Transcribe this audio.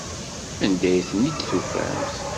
Anda ay ten-id-tufamt?